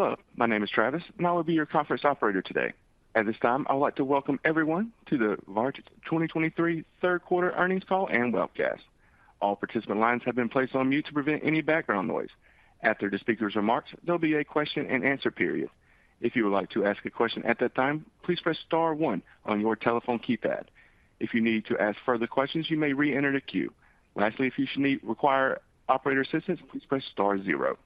Hello, my name is Travis, and I will be your conference operator today. At this time, I would like to welcome everyone to the Viatris 2023 third quarter earnings call and webcast. All participant lines have been placed on mute to prevent any background noise. After the speaker's remarks, there'll be a question-and-answer period. If you would like to ask a question at that time, please press star one on your telephone keypad. If you need to ask further questions, you may reenter the queue. Lastly, if you should need or require operator assistance, please press star zero.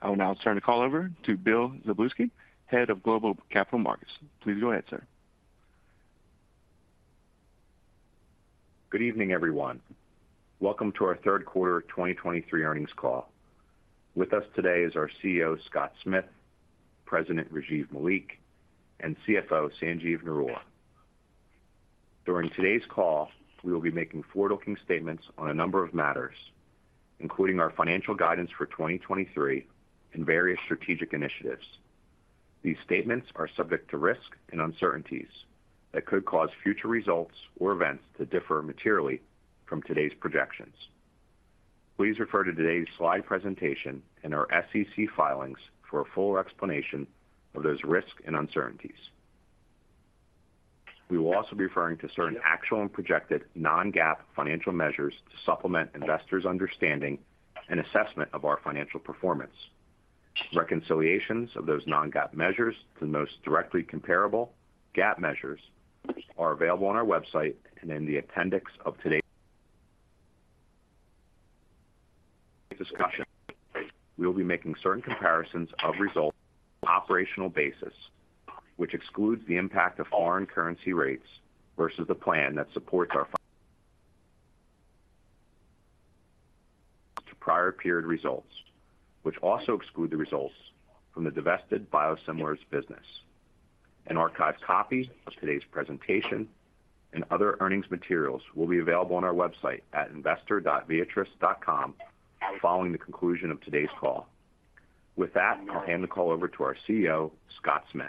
I will now turn the call over to Bill Szablewski, Head of Global Capital Markets. Please go ahead, sir. Good evening, everyone. Welcome to our third quarter of 2023 earnings call. With us today is our CEO, Scott Smith, President, Rajiv Malik, and CFO, Sanjeev Narula. During today's call, we will be making forward-looking statements on a number of matters, including our financial guidance for 2023 and various strategic initiatives. These statements are subject to risk and uncertainties that could cause future results or events to differ materially from today's projections. Please refer to today's slide presentation and our SEC filings for a fuller explanation of those risks and uncertainties. We will also be referring to certain actual and projected non-GAAP financial measures to supplement investors' understanding and assessment of our financial performance. Reconciliations of those non-GAAP measures to the most directly comparable GAAP measures are available on our website and in the appendix of today's discussion. We will be making certain comparisons of results, operational basis, which excludes the impact of foreign currency rates versus the plan that supports our two prior period results, which also exclude the results from the divested biosimilars business. An archived copy of today's presentation and other earnings materials will be available on our website at investor.viatris.com, following the conclusion of today's call. With that, I'll hand the call over to our CEO, Scott Smith.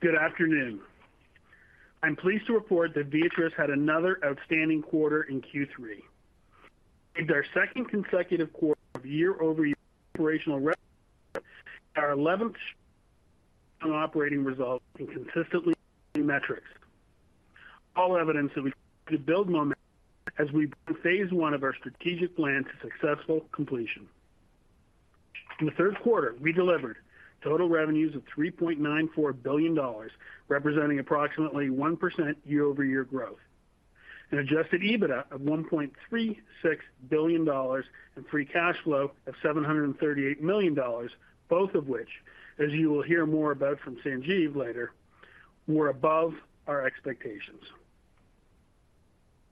Good afternoon. I'm pleased to report that Viatris had another outstanding quarter in Q3. It's our second consecutive quarter of year-over-year operational our eleventh operating results in consistently metrics. All evidence that we could build momentum as we Phase I of our strategic plan to successful completion. In the third quarter, we delivered total revenues of $3.94 billion, representing approximately 1% year-over-year growth, and Adjusted EBITDA of $1.36 billion, and free cash flow of $738 million, both of which, as you will hear more about from Sanjeev later, were above our expectations.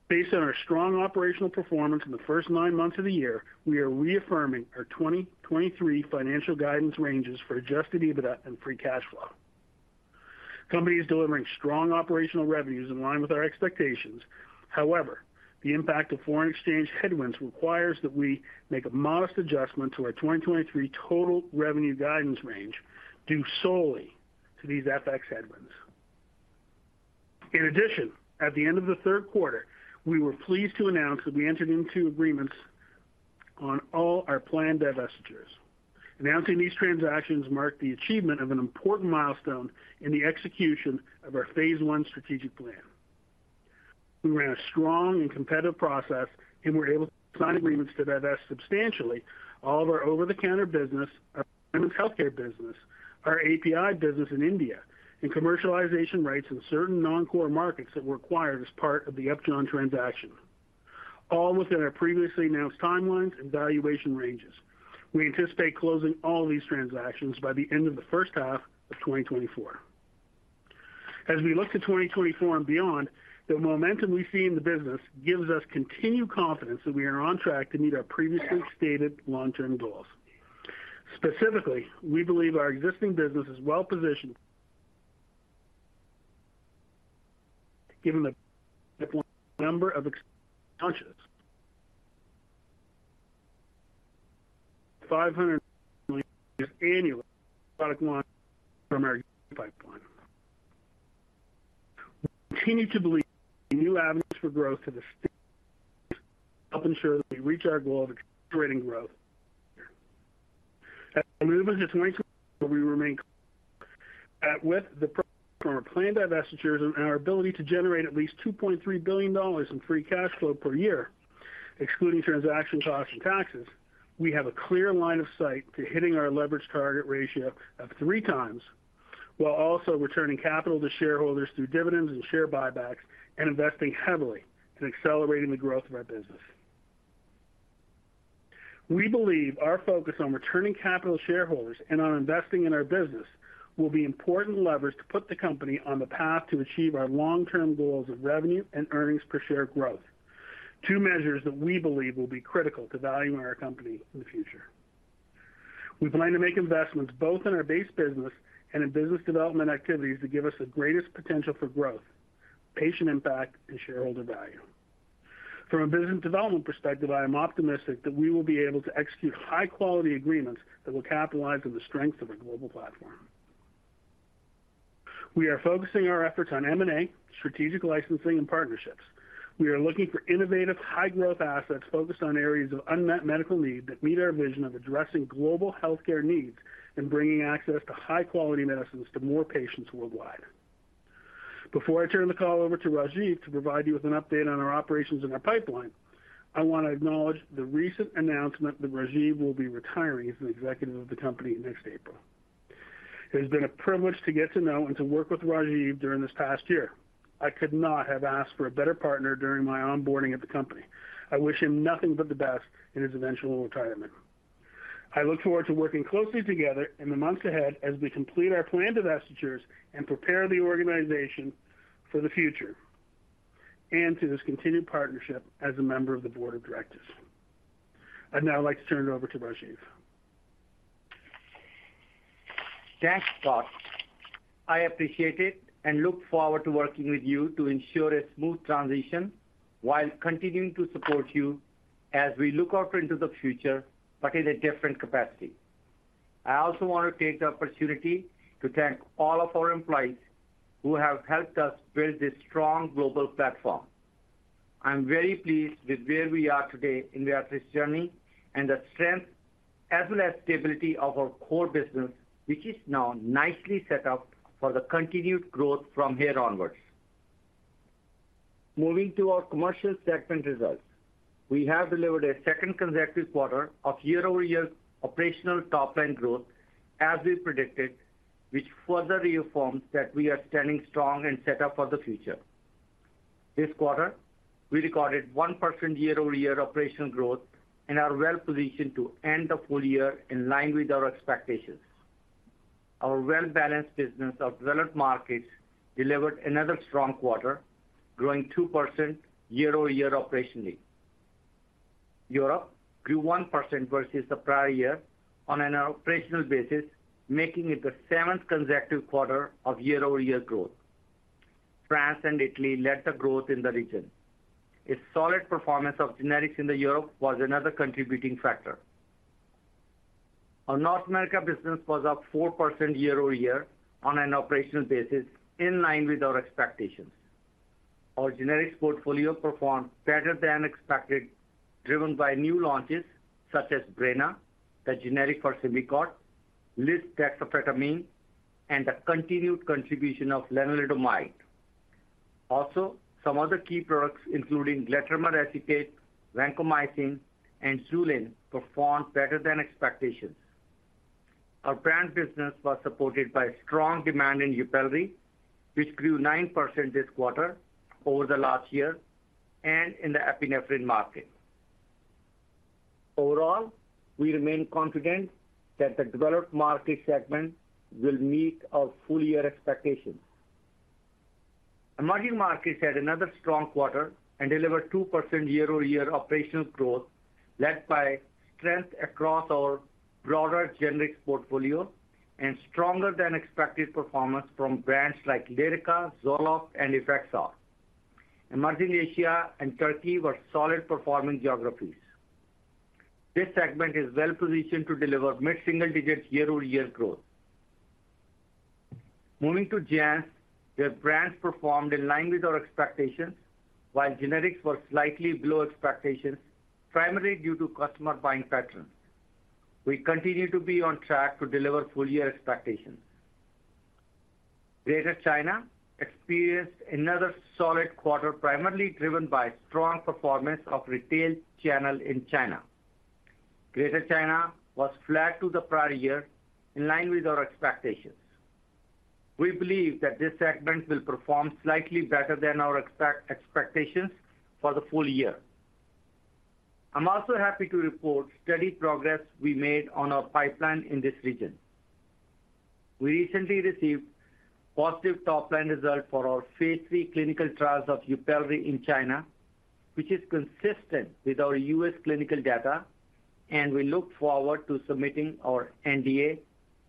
Based on our strong operational performance in the first nine months of the year, we are reaffirming our 2023 financial guidance ranges for Adjusted EBITDA and free cash flow. Company is delivering strong operational revenues in line with our expectations. However, the impact of foreign exchange headwinds requires that we make a modest adjustment to our 2023 total revenue guidance range, due solely to these FX headwinds. In addition, at the end of the third quarter, we were pleased to announce that we entered into agreements on all our planned divestitures. Announcing these transactions marked the achievement of an important milestone in the execution of our Phase I strategic plan. We ran a strong and competitive process and were able to sign agreements to divest substantially all of our over-the-counter business, our women's healthcare business, our API business in India, and commercialization rights in certain non-core markets that were acquired as part of the Upjohn transaction, all within our previously announced timelines and valuation ranges. We anticipate closing all these transactions by the end of the first half of 2024. As we look to 2024 and beyond, the momentum we see in the business gives us continued confidence that we are on track to meet our previously stated long-term goals. Specifically, we believe our existing business is well-positioned, given the $500 million annually product line from our pipeline. We continue to believe new avenues for growth to the help ensure that we reach our goal of accelerating growth. As we move into 2024, we remain confident that with the proceeds from our planned divestitures and our ability to generate at least $2.3 billion in free cash flow per year, excluding transaction costs and taxes, we have a clear line of sight to hitting our leverage target ratio of 3x, while also returning capital to shareholders through dividends and share buybacks, and investing heavily in accelerating the growth of our business. We believe our focus on returning capital to shareholders and on investing in our business will be important levers to put the company on the path to achieve our long-term goals of revenue and earnings per share growth, two measures that we believe will be critical to valuing our company in the future. We plan to make investments both in our base business and in business development activities that give us the greatest potential for growth, patient impact, and shareholder value. From a business development perspective, I am optimistic that we will be able to execute high-quality agreements that will capitalize on the strength of our global platform. We are focusing our efforts on M&A, strategic licensing, and partnerships. We are looking for innovative, high-growth assets focused on areas of unmet medical need that meet our vision of addressing global healthcare needs and bringing access to high-quality medicines to more patients worldwide. Before I turn the call over to Rajiv to provide you with an update on our operations and our pipeline, I want to acknowledge the recent announcement that Rajiv will be retiring as an executive of the company next April. It has been a privilege to get to know and to work with Rajiv during this past year. I could not have asked for a better partner during my onboarding at the company. I wish him nothing but the best in his eventual retirement. I look forward to working closely together in the months ahead as we complete our planned divestitures and prepare the organization for the future, and to this continued partnership as a member of the board of directors. I'd now like to turn it over to Rajiv. Thanks, Scott. I appreciate it, and look forward to working with you to ensure a smooth transition while continuing to support you as we look out into the future, but in a different capacity. I also want to take the opportunity to thank all of our employees who have helped us build this strong global platform. I'm very pleased with where we are today in this journey, and the strength as well as stability of our core business, which is now nicely set up for the continued growth from here onwards. Moving to our commercial segment results. We have delivered a second consecutive quarter of year-over-year operational top line growth, as we predicted, which further reaffirms that we are standing strong and set up for the future. This quarter, we recorded 1% year-over-year operational growth and are well positioned to end the full year in line with our expectations. Our well-balanced business of developed markets delivered another strong quarter, growing 2% year-over-year operationally. Europe grew 1% versus the prior year on an operational basis, making it the seventh consecutive quarter of year-over-year growth. France and Italy led the growth in the region. A solid performance of generics in Europe was another contributing factor. Our North America business was up 4% year-over-year on an operational basis, in line with our expectations. Our generics portfolio performed better than expected, driven by new launches such as Breyna, the generic for Symbicort, lisdexamfetamine, and the continued contribution of lenalidomide. Also, some other key products, including glatiramer acetate, vancomycin, and Xulane, performed better than expectations. Our brand business was supported by strong demand in YUPELRI, which grew 9% this quarter over the last year, and in the epinephrine market. Overall, we remain confident that the developed market segment will meet our full-year expectations. Emerging markets had another strong quarter and delivered 2% year-over-year operational growth, led by strength across our broader generics portfolio and stronger than expected performance from brands like Lyrica, Zoloft, and Effexor. Emerging Asia and Turkey were solid performing geographies. This segment is well positioned to deliver mid-single digit year-over-year growth. Moving to JANZ, their brands performed in line with our expectations, while generics were slightly below expectations, primarily due to customer buying patterns. We continue to be on track to deliver full-year expectations. Greater China experienced another solid quarter, primarily driven by strong performance of retail channel in China. Greater China was flat to the prior year, in line with our expectations. We believe that this segment will perform slightly better than our expectations for the full year. I'm also happy to report steady progress we made on our pipeline in this region. We recently received positive top-line results for our Phase III clinical trials of YUPELRI in China, which is consistent with our U.S. clinical data, and we look forward to submitting our NDA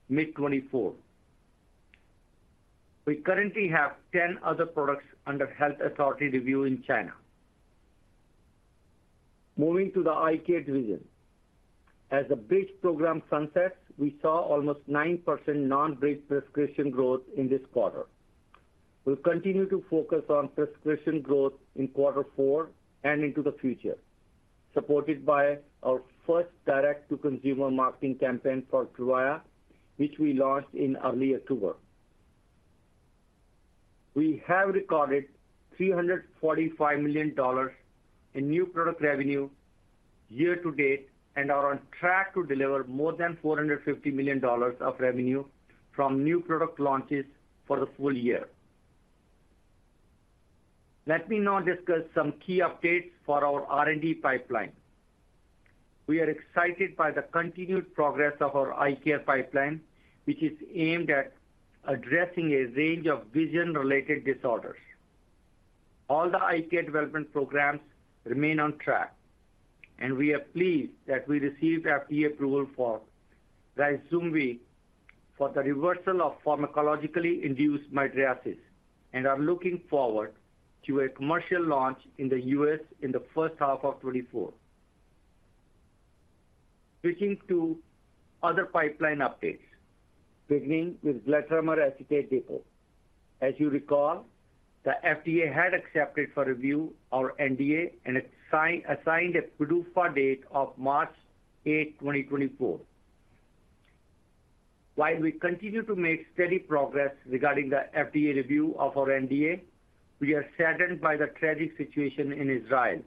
mid-2024. We currently have 10 other products under health authority review in China. Moving to the eye care division. As the Bridge program sunsets, we saw almost 9% non-Bridge prescription growth in this quarter. We'll continue to focus on prescription growth in quarter four and into the future, supported by our first direct-to-consumer marketing campaign for Tyrvaya, which we launched in early October. We have recorded $345 million in new product revenue year-to-date, and are on track to deliver more than $450 million of revenue from new product launches for the full year. Let me now discuss some key updates for our R&D pipeline. We are excited by the continued progress of our eye care pipeline, which is aimed at addressing a range of vision-related disorders. All the eye care development programs remain on track, and we are pleased that we received FDA approval for Ryzumvi for the reversal of pharmacologically-induced mydriasis, and are looking forward to a commercial launch in the U.S. in the first half of 2024. Switching to other pipeline updates, beginning with glatiramer acetate depot. As you recall, the FDA had accepted for review our NDA and assigned a PDUFA date of March 8, 2024.While we continue to make steady progress regarding the FDA review of our NDA, we are saddened by the tragic situation in Israel,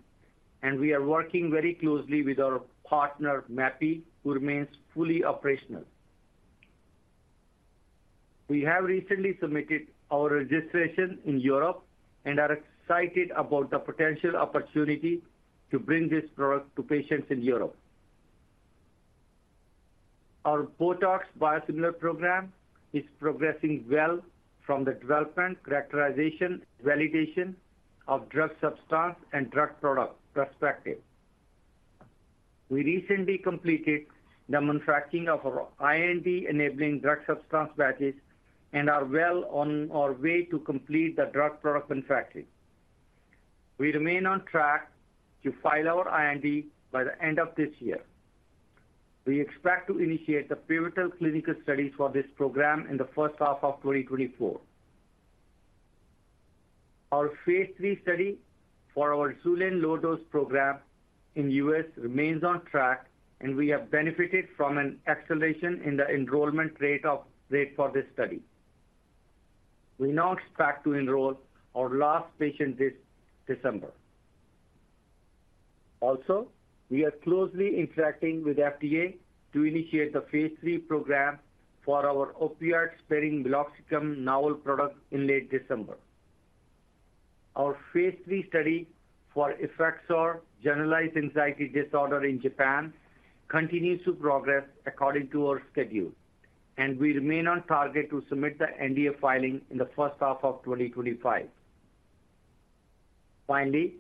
and we are working very closely with our partner, Mapi, who remains fully operational. We have recently submitted our registration in Europe and are excited about the potential opportunity to bring this product to patients in Europe. Our Botox biosimilar program is progressing well from the development, characterization, validation of drug substance and drug product perspective. We recently completed the manufacturing of our IND-enabling drug substance batches and are well on our way to complete the drug product manufacturing. We remain on track to file our IND by the end of this year. We expect to initiate the pivotal clinical studies for this program in the first half of 2024. Our Phase III study for our Xulane low-dose program in U.S. remains on track, and we have benefited from an acceleration in the enrollment rate for this study. We now expect to enroll our last patient this December. Also, we are closely interacting with FDA to initiate the Phase III program for our opioid-sparing milnacipran novel product in late December. Our Phase III study for Effexor generalized anxiety disorder in Japan continues to progress according to our schedule, and we remain on target to submit the NDA filing in the first half of 2025. Finally,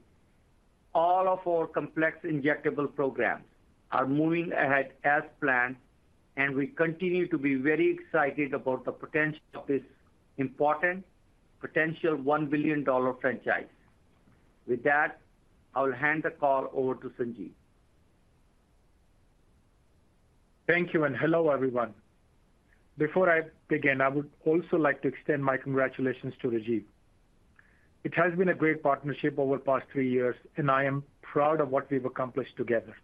all of our complex injectable programs are moving ahead as planned, and we continue to be very excited about the potential of this important potential $1 billion franchise. With that, I'll hand the call over to Sanjeev. Thank you, and hello, everyone. Before I begin, I would also like to extend my congratulations to Rajiv. It has been a great partnership over the past three years, and I am proud of what we've accomplished together.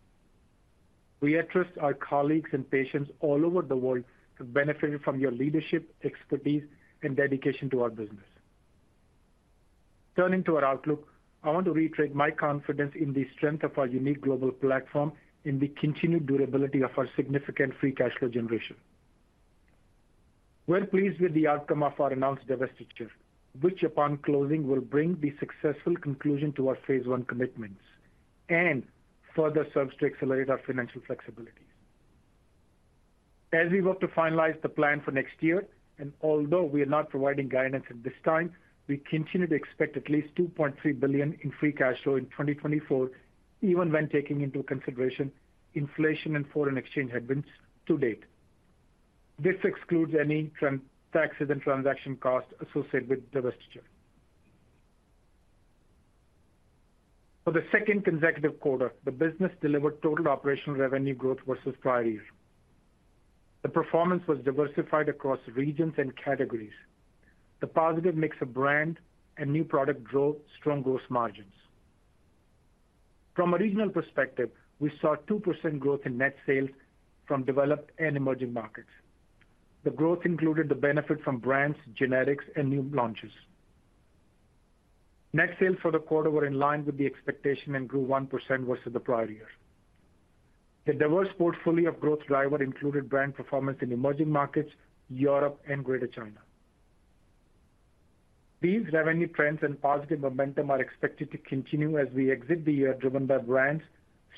We address our colleagues and patients all over the world who benefited from your leadership, expertise, and dedication to our business. Turning to our outlook, I want to reiterate my confidence in the strength of our unique global platform and the continued durability of our significant free cash flow generation. We're pleased with the outcome of our announced divestiture, which, upon closing, will bring the successful conclusion to our Phase I commitments and further serves to accelerate our financial flexibility. As we work to finalize the plan for next year, and although we are not providing guidance at this time, we continue to expect at least $2.3 billion in free cash flow in 2024, even when taking into consideration inflation and foreign exchange headwinds to date. This excludes any transaction taxes and transaction costs associated with divestiture. For the second consecutive quarter, the business delivered total operational revenue growth versus prior year. The performance was diversified across regions and categories. The positive mix of brand and new product drove strong gross margins. From a regional perspective, we saw 2% growth in net sales from developed and emerging markets. The growth included the benefit from brands, generics, and new launches. Net sales for the quarter were in line with the expectation and grew 1% versus the prior year. The diverse portfolio of growth driver included brand performance in emerging markets, Europe, and Greater China. These revenue trends and positive momentum are expected to continue as we exit the year, driven by brands,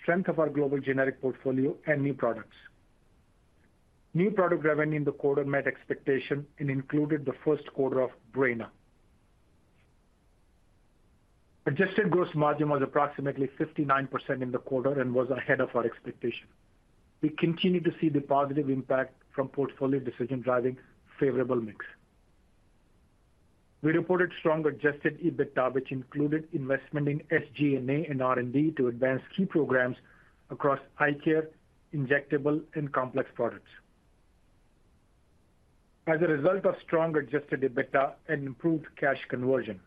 strength of our global generic portfolio, and new products. New product revenue in the quarter met expectation and included the first quarter of Breyna. Adjusted gross margin was approximately 59% in the quarter and was ahead of our expectation. We continue to see the positive impact from portfolio decision driving favorable mix. We reported strong Adjusted EBITDA, which included investment in SG&A and R&D to advance key programs across eye care, injectable, and complex products. As a result of strong Adjusted EBITDA and improved cash conversion,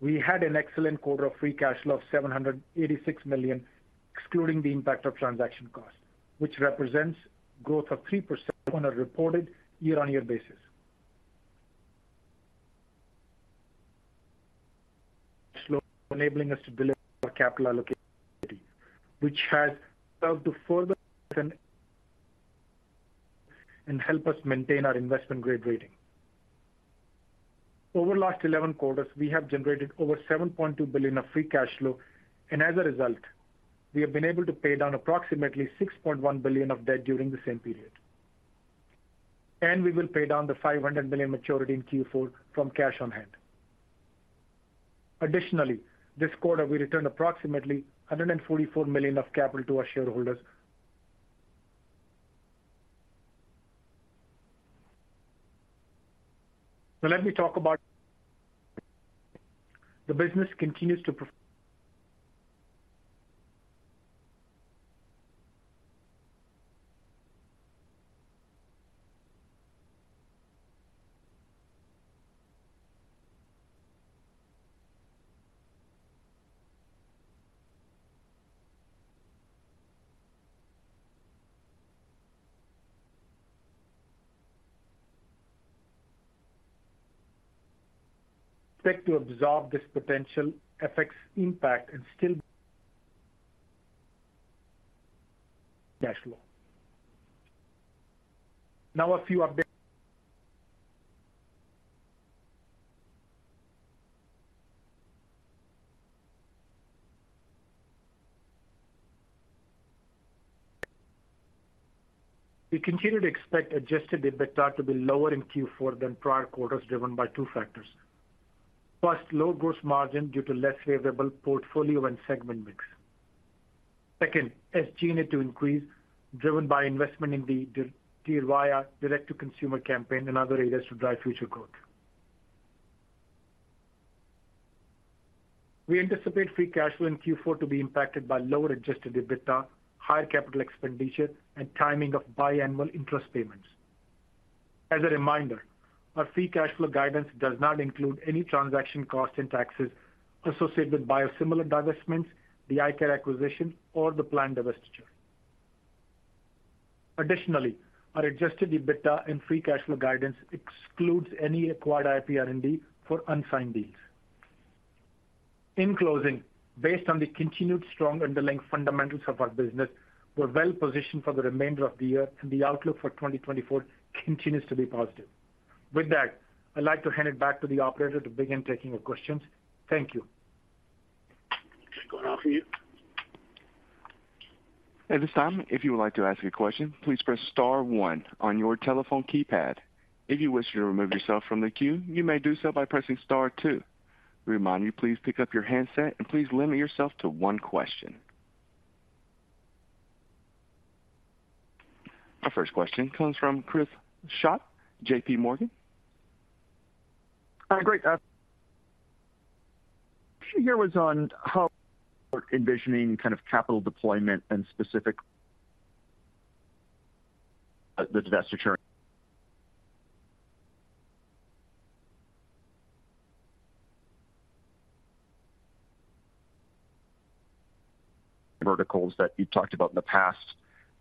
we had an excellent quarter of free cash flow of $786 million, excluding the impact of transaction costs, which represents growth of 3% on a reported year-on-year basis... enabling us to deliver our capital allocation, which has served to further and help us maintain our investment-grade rating. Over the last 11 quarters, we have generated over $7.2 billion of free cash flow, and as a result, we have been able to pay down approximately $6.1 billion of debt during the same period. We will pay down the $500 million maturity in Q4 from cash on hand. Additionally, this quarter, we returned approximately $144 million of capital to our shareholders. So let me talk about the business continues to perform. Expect to absorb this potential FX impact and still cash flow. Now, a few updates. We continue to expect Adjusted EBITDA to be lower in Q4 than prior quarters, driven by two factors. First, low gross margin due to less favorable portfolio and segment mix. Second, SG&A to increase, driven by investment in the DTC, our direct-to-consumer campaign and other areas to drive future growth. We anticipate free cash flow in Q4 to be impacted by lower Adjusted EBITDA, higher capital expenditure, and timing of biannual interest payments. As a reminder, our free cash flow guidance does not include any transaction costs and taxes associated with biosimilar divestments, the eye care acquisition, or the planned divestiture. Additionally, our Adjusted EBITDA and free cash flow guidance excludes any acquired IP R&D for unsigned deals. In closing, based on the continued strong underlying fundamentals of our business, we're well positioned for the remainder of the year, and the outlook for 2024 continues to be positive. With that, I'd like to hand it back to the operator to begin taking your questions. Thank you. Turning it over to you. At this time, if you would like to ask a question, please press star one on your telephone keypad. If you wish to remove yourself from the queue, you may do so by pressing star two. We remind you, please pick up your handset and please limit yourself to one question. Our first question comes from Chris Schott, J.P. Morgan. Great, here we are on how we're envisioning kind of capital deployment and specifically the divestiture verticals that you talked about in the past.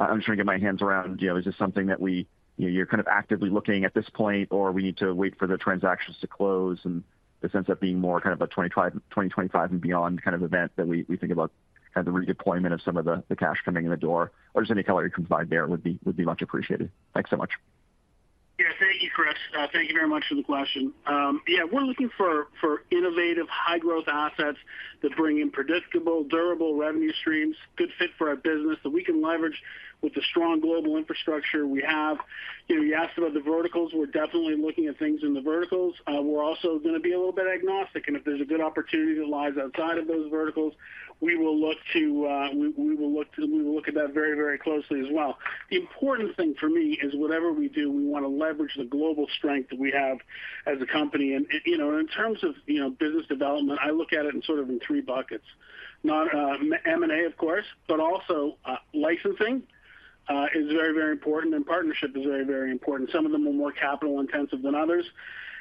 I'm just trying to get my hands around, you know, is this something that we-- you're kind of actively looking at this point, or we need to wait for the transactions to close and in the sense of being more kind of a 2025 and beyond kind of event that we, we think about kind of the redeployment of some of the, the cash coming in the door, or just any color you can provide there would be, would be much appreciated. Thanks so much. Yeah. Thank you, Chris. Thank you very much for the question. Yeah, we're looking for innovative, high-growth assets that bring in predictable, durable revenue streams, good fit for our business, that we can leverage with the strong global infrastructure we have. You know, you asked about the verticals. We're definitely looking at things in the verticals. We're also going to be a little bit agnostic, and if there's a good opportunity that lies outside of those verticals, we will look at that very, very closely as well. The important thing for me is whatever we do, we want to leverage the global strength that we have as a company. And, you know, in terms of, you know, business development, I look at it in sort of in three buckets. Not M&A, of course, but also licensing is very, very important, and partnership is very, very important. Some of them are more capital intensive than others.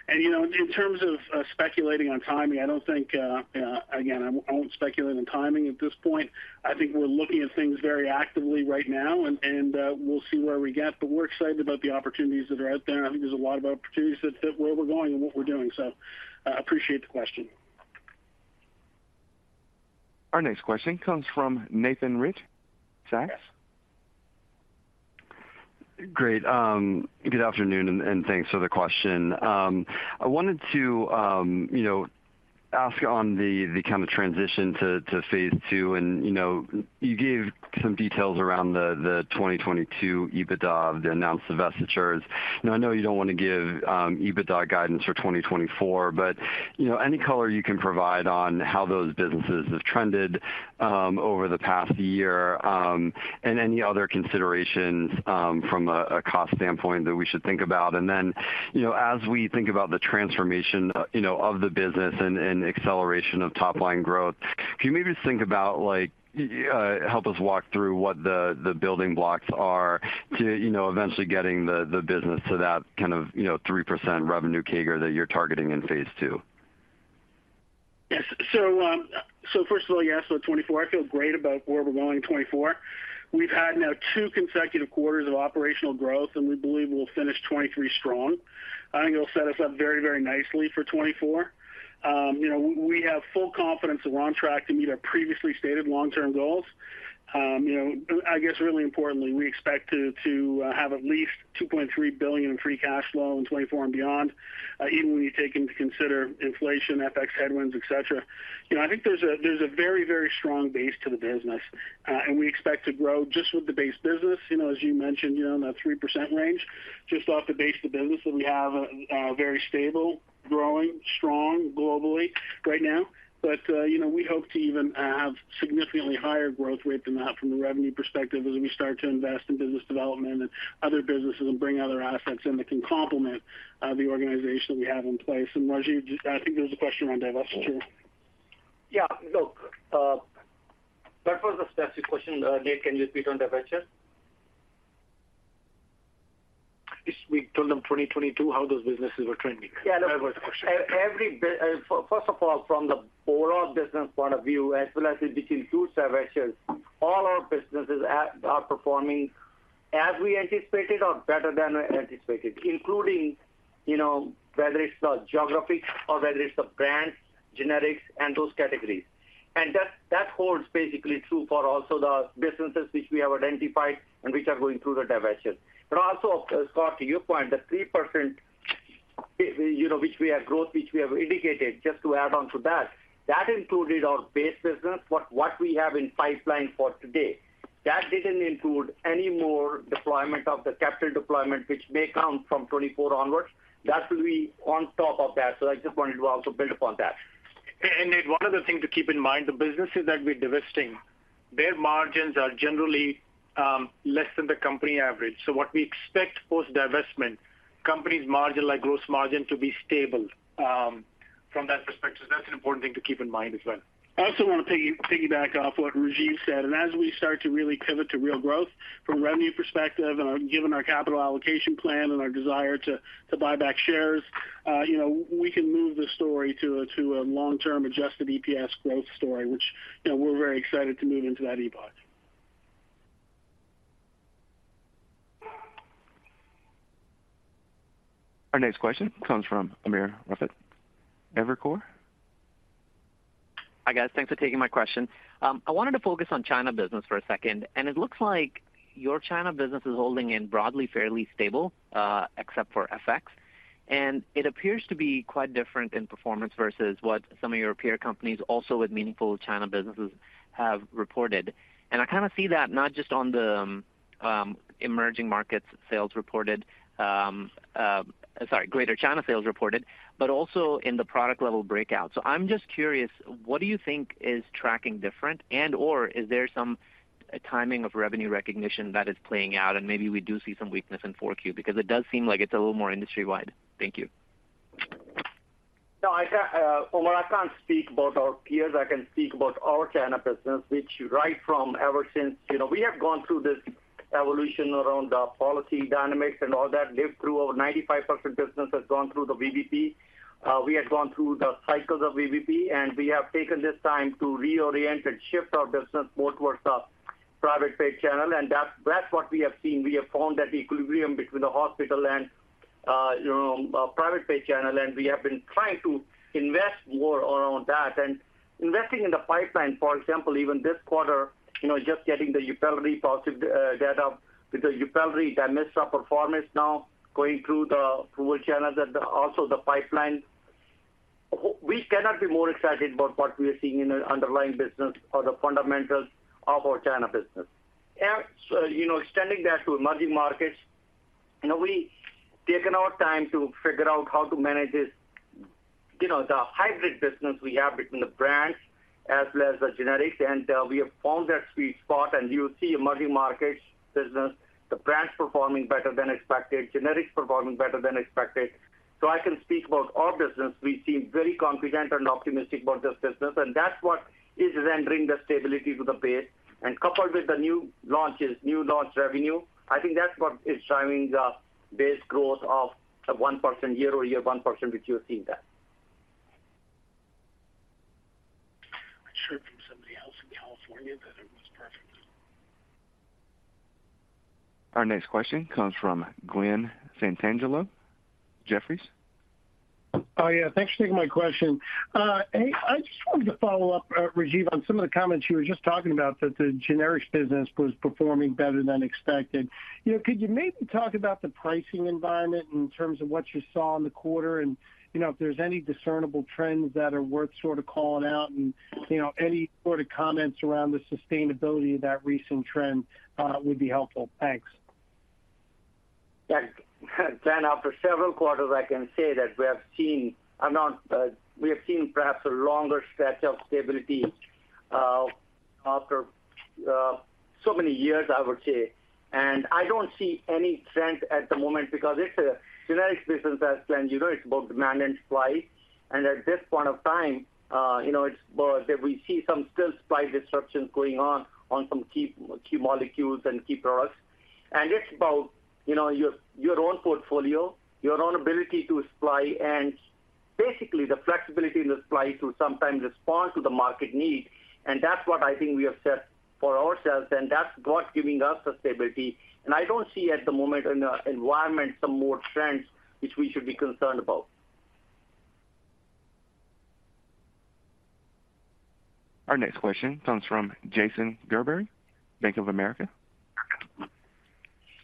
And, you know, in terms of speculating on timing, I don't think, again, I won't speculate on timing at this point. I think we're looking at things very actively right now, and, and we'll see where we get. But we're excited about the opportunities that are out there. I think there's a lot of opportunities that, that where we're going and what we're doing. So, appreciate the question. Our next question comes from Nathan Rich, Goldman Sachs. Great. Good afternoon, and thanks for the question. I wanted to, you know, ask on the kind of transition to Phase II, and, you know, you gave some details around the 2022 EBITDA, the announced divestitures. Now, I know you don't want to give EBITDA guidance for 2024, but, you know, any color you can provide on how those businesses have trended over the past year, and any other considerations from a cost standpoint that we should think about. And then, you know, as we think about the transformation, you know, of the business and acceleration of top-line growth, can you maybe just think about, like, help us walk through what the building blocks are to, you know, eventually getting the business to that kind of, you know, 3% revenue CAGR that you're targeting in Phase II? Yes. So, first of all, you asked about 2024. I feel great about where we're going in 2024. We've had now two consecutive quarters of operational growth, and we believe we'll finish 2023 strong. I think it'll set us up very, very nicely for 2024. You know, we have full confidence that we're on track to meet our previously stated long-term goals. You know, I guess really importantly, we expect to have at least $2.3 billion in free cash flow in 2024 and beyond, even when you take into consideration inflation, FX headwinds, etc. You know, I think there's a very, very strong base to the business, and we expect to grow just with the base business. You know, as you mentioned, you're in that 3% range, just off the base of the business that we have, very stable, growing, strong globally right now. But, you know, we hope to even have significantly higher growth rate than that from the revenue perspective as we start to invest in business development and other businesses and bring other assets in that can complement, the organization that we have in place. And Rajiv, I think there was a question around divestiture? Yeah, look, what was the specific question, Nate? Can you repeat on divestiture? Yes, we told them 2022, how those businesses were trending? Yeah. That was the question. So first of all, from the overall business point of view, as well as between two divestitures, all our businesses are performing as we anticipated or better than we anticipated, including, you know, whether it's the geographic or whether it's the brands, generics, and those categories. And that holds basically true for also the businesses which we have identified and which are going through the divestiture. But also, Scott, to your point, the 3%, you know, which we have growth, which we have indicated, just to add on to that, that included our base business, what we have in pipeline for today. That didn't include any more deployment of the capital deployment, which may come from 2024 onwards. That will be on top of that, so I just wanted to also build upon that. And one other thing to keep in mind, the businesses that we're divesting, their margins are generally less than the company average. So what we expect post divestment, company's margin, like, gross margin, to be stable from that perspective. So that's an important thing to keep in mind as well. I also want to piggyback off what Rajiv said, and as we start to really pivot to real growth from a revenue perspective, and given our capital allocation plan and our desire to buy back shares, you know, we can move the story to a long-term adjusted EPS growth story, which, you know, we're very excited to move into that epoch. Our next question comes from Umer Raffat, Evercore. Hi, guys. Thanks for taking my question. I wanted to focus on China business for a second, and it looks like your China business is holding in broadly fairly stable, except for FX. And it appears to be quite different in performance versus what some of your peer companies, also with meaningful China businesses, have reported. And I kind of see that not just on the, emerging markets sales reported, sorry, Greater China sales reported, but also in the product level breakout. So I'm just curious, what do you think is tracking different? And/or is there some timing of revenue recognition that is playing out, and maybe we do see some weakness in 4Q? Because it does seem like it's a little more industry-wide. Thank you. No, Umer, I can't speak about our peers. I can speak about our China business, which right from ever since. You know, we have gone through this evolution around the policy dynamics and all that we've lived through over 95% business has gone through the VBP. We have gone through the cycles of VBP, and we have taken this time to reorient and shift our business more towards a private pay channel, and that's what we have seen. We have found that equilibrium between the hospital and, you know, private pay channel, and we have been trying to invest more around that. And investing in the pipeline, for example, even this quarter, you know, just getting the YYUPELRI positive data, with the YUPELRI and Dymista performance now going through the approval channels and also the pipeline. We cannot be more excited about what we are seeing in the underlying business or the fundamentals of our China business. You know, extending that to emerging markets, you know, we've taken our time to figure out how to manage this, you know, the hybrid business we have between the brands as well as the generics, and we have found that sweet spot. You see emerging markets business, the brands performing better than expected, generics performing better than expected. So I can speak about our business. We seem very confident and optimistic about this business, and that's what is then bringing the stability to the base. Coupled with the new launches, new launch revenue, I think that's what is driving the base growth of 1% year-over-year, 1%, which you have seen that. I'm sure from somebody else in California, that it was perfect. Our next question comes from Glen Santangelo, Jefferies. Oh, yeah. Thanks for taking my question. I just wanted to follow up, Rajiv, on some of the comments you were just talking about, that the generics business was performing better than expected. You know, could you maybe talk about the pricing environment in terms of what you saw in the quarter? And, you know, if there's any discernible trends that are worth sort of calling out, and, you know, any sort of comments around the sustainability of that recent trend, would be helpful. Thanks. Yeah, Glen, after several quarters, I can say that we have seen perhaps a longer stretch of stability after so many years, I would say. And I don't see any trend at the moment because it's a generics business, as you know, it's about demand and supply. And at this point of time, you know, it's we see some still supply disruptions going on, on some key, key molecules and key products. And it's about, you know, your, your own portfolio, your own ability to supply, and basically the flexibility to supply to sometimes respond to the market needs. And that's what I think we have set for ourselves, and that's what's giving us the stability. And I don't see at the moment in the environment some more trends which we should be concerned about. Our next question comes from Jason Gerberry, Bank of America.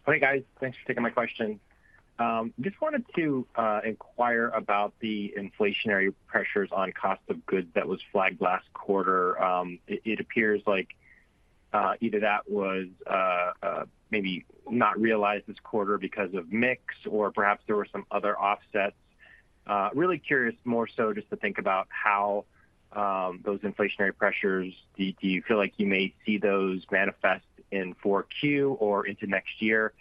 Hey, guys. Thanks for taking my question. Just wanted to inquire about the inflationary pressures on cost of goods that was flagged last quarter. It appears like either that was maybe not realized this quarter because of mix, or perhaps there were some other offsets. Really curious more so just to think about how those inflationary pressures, do you feel like you may see those manifest in 4Q or into next year?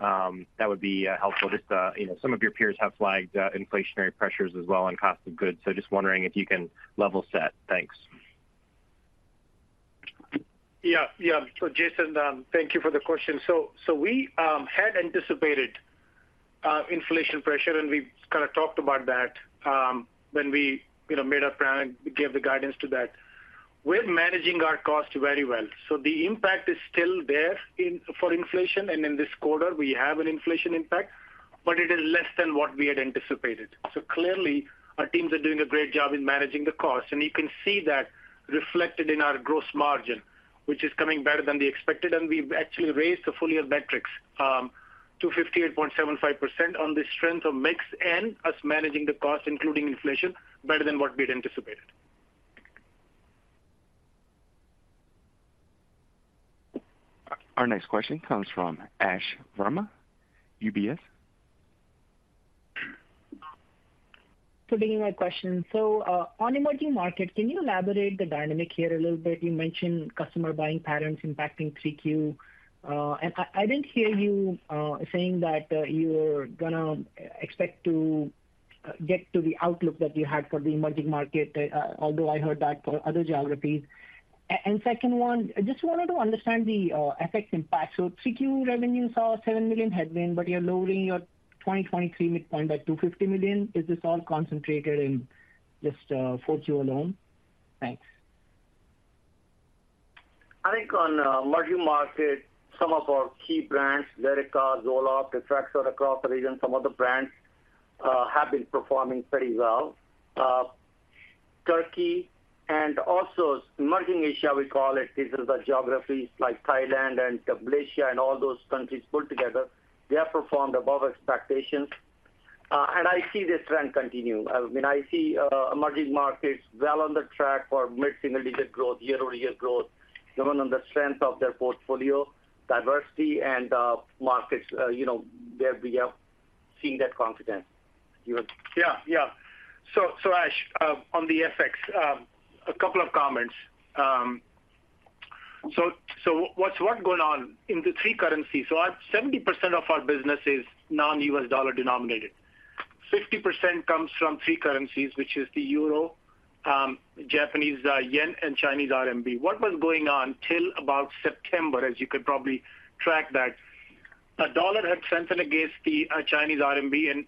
That would be helpful. Just you know, some of your peers have flagged inflationary pressures as well on cost of goods, so just wondering if you can level set. Thanks. Yeah, yeah. So Jason, thank you for the question. So we had anticipated inflation pressure, and we kind of talked about that when we, you know, made our plan and gave the guidance to that. We're managing our cost very well. So the impact is still there in for inflation, and in this quarter we have an inflation impact, but it is less than what we had anticipated. So clearly, our teams are doing a great job in managing the cost, and you can see that reflected in our gross margin, which is coming better than we expected. And we've actually raised the full-year metrics to 58.75% on the strength of mix and us managing the cost, including inflation, better than what we had anticipated. Our next question comes from Ash Verma, UBS. Good evening, my question. So, on emerging market, can you elaborate the dynamic here a little bit? You mentioned customer buying patterns impacting Q3. And I didn't hear you saying that you're gonna expect to get to the outlook that you had for the emerging market, although I heard that for other geographies. And second one, I just wanted to understand the FX impact. So Q3 revenue saw $7 million headwind, but you're lowering your 2023 midpoint by $250 million. Is this all concentrated in just Q4 alone? Thanks. I think on emerging market, some of our key brands, Lyrica, Zoloft, Effexor across the region, some other brands, have been performing pretty well. Turkey and also emerging Asia, we call it, these are the geographies like Thailand and Malaysia and all those countries put together, they have performed above expectations. And I see this trend continue. I mean, I see emerging markets well on the track for mid-single-digit growth, year-over-year growth, driven on the strength of their portfolio diversity and markets, you know, where we are seeing that confidence. Yeah, yeah. So, so Ash, on the FX, a couple of comments. So, what's going on in the three currencies? So our 70% of our business is non-U.S. dollar denominated. 50% comes from three currencies, which is the Euro, Japanese yen, and Chinese RMB. What was going on till about September, as you could probably track that, the dollar had strengthened against the Chinese RMB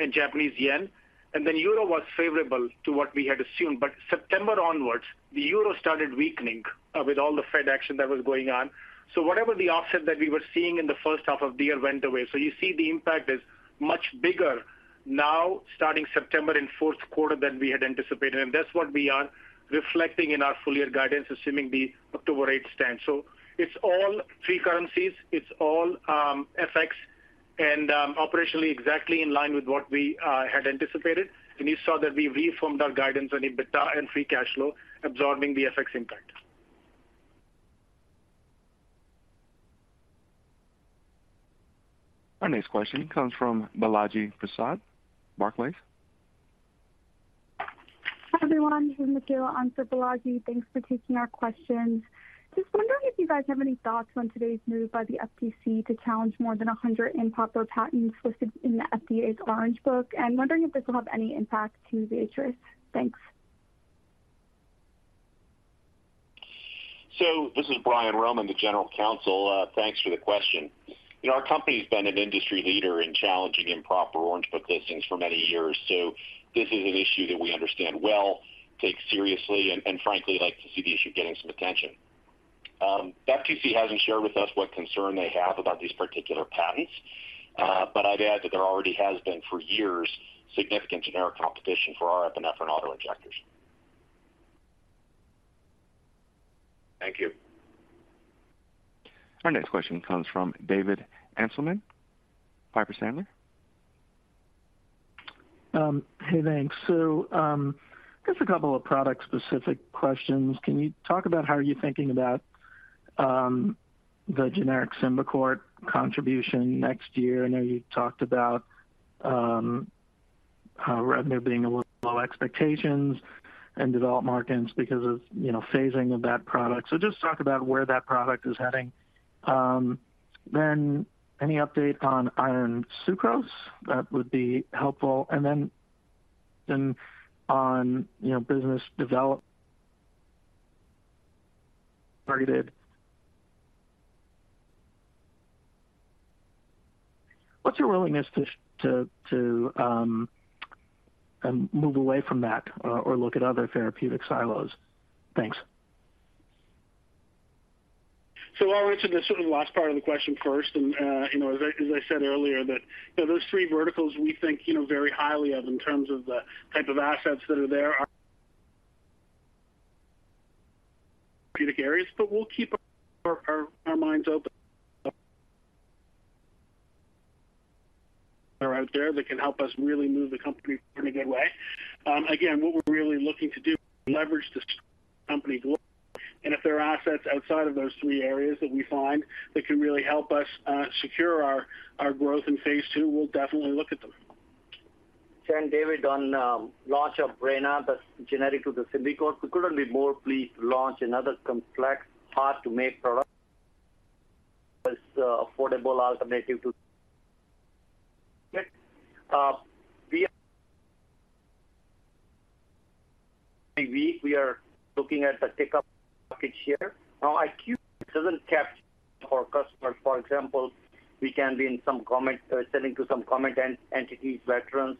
and Japanese yen, and then Euro was favorable to what we had assumed. But September onwards, the euro started weakening with all the Fed action that was going on. So whatever the offset that we were seeing in the first half of the year went away. So you see the impact is much bigger now, starting September in fourth quarter than we had anticipated. And that's what we are reflecting in our full year guidance, assuming the October 8 stand. So it's all three currencies, it's all FX and operationally exactly in line with what we had anticipated. And you saw that we reformed our guidance on EBITDA and free cash flow, absorbing the FX impact. Our next question comes from Balaji Prasad, Barclays. Hi, everyone. This is Michaela answering for Balaji. Thanks for taking our questions. Just wondering if you guys have any thoughts on today's move by the FTC to challenge more than 100 improper patents listed in the FDA's Orange Book, and wondering if this will have any impact to Viatris. Thanks. So this is Brian Roman, the General Counsel. Thanks for the question. You know, our company's been an industry leader in challenging improper Orange Book listings for many years, so this is an issue that we understand well, take seriously, and, and frankly, like to see the issue getting some attention. The FTC hasn't shared with us what concern they have about these particular patents, but I'd add that there already has been, for years, significant generic competition for our epinephrine auto injectors. Thank you. Our next question comes from David Amsellem, Piper Sandler. Hey, thanks. So, just a couple of product-specific questions. Can you talk about how are you thinking about the generic Symbicort contribution next year? I know you talked about how revenue being a little low expectations and developed margins because of, you know, phasing of that product. So just talk about where that product is heading. Then any update on iron sucrose? That would be helpful. And then on, you know, business development targets. What's your willingness to move away from that or look at other therapeutic silos? Thanks. So I'll answer the sort of last part of the question first. And, you know, as I said earlier, that, you know, those three verticals we think, you know, very highly of in terms of the type of assets that are there are... therapeutic areas, but we'll keep our minds open are out there that can help us really move the company in a good way. Again, what we're really looking to do, leverage this company globally. And if there are assets outside of those three areas that we find that can really help us, secure our growth in Phase II, we'll definitely look at them. And David, on launch of Breyna, the generic to the Symbicort, we couldn't be more pleased to launch another complex, hard-to-make product. This affordable alternative, [inaudible] we are looking at the pickup market share. Now, IQVIA doesn't capture our customers. For example, we can be in some commercial entities, veterans,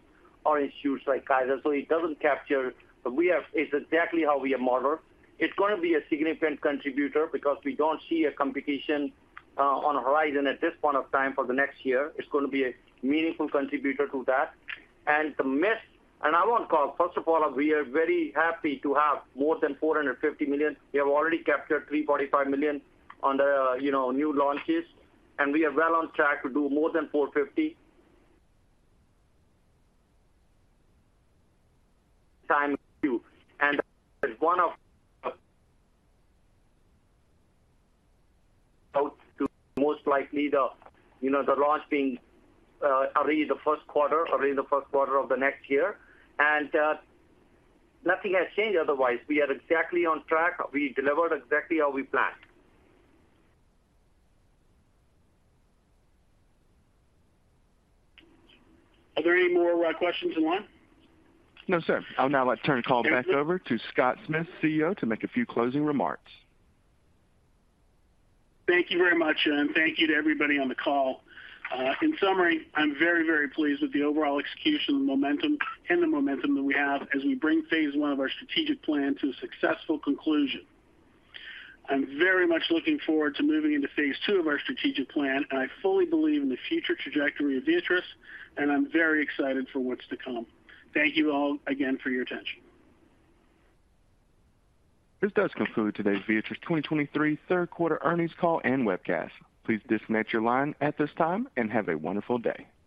or entities like Kaiser. So it doesn't capture, but we have—it's exactly how we are modeled. It's gonna be a significant contributor because we don't see a competition on the horizon at this point of time for the next year. It's gonna be a meaningful contributor to that. And the mix, and I want to call, first of all, we are very happy to have more than $450 million. We have already captured $345 million on the, you know, new launches, and we are well on track to do more than $450. Time to-- You know, the launch being early in the first quarter of the next year. Nothing has changed otherwise. We are exactly on track. We delivered exactly how we planned. Are there any more questions in line? No, sir. I'll now turn the call back over to Scott Smith, CEO, to make a few closing remarks. Thank you very much, and thank you to everybody on the call. In summary, I'm very, very pleased with the overall execution and the momentum, and the momentum that we have as we bring Phase I of our strategic plan to a successful conclusion. I'm very much looking forward to moving into Phase II of our strategic plan, and I fully believe in the future trajectory of Viatris, and I'm very excited for what's to come. Thank you all again for your attention. This does conclude today's Viatris 2023 third quarter earnings call and webcast. Please disconnect your line at this time, and have a wonderful day.